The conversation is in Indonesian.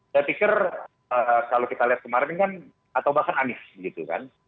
saya pikir kalau kita lihat kemarin kan atau bahkan anies begitu kan